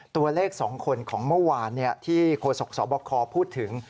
ตัวเลข๒คนของเมื่อวานที่โฆษกสบคพูดถึง